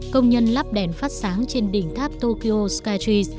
công nhân lắp đèn phát sáng trên đỉnh tháp tokyo skatries